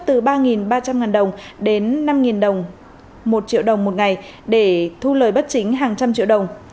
từ ba ba trăm linh đồng đến năm đồng một triệu đồng một ngày để thu lời bất chính hàng trăm triệu đồng